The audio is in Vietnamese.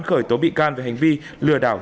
khởi tố bị can về hành vi lừa đảo